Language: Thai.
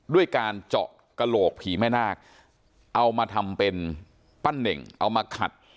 ด้วยการเจาะกระโหลกผีแม่นาคเอามาทำเป็นปั้นเน่งเอามาขัด